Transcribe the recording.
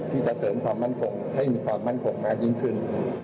ที่จะเสริมความมั่นคงให้มีความมั่นคงมากยิ่งขึ้น